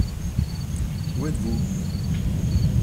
Où êtes-vous ?